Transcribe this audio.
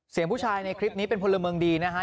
ผู้ชายในคลิปนี้เป็นพลเมืองดีนะฮะ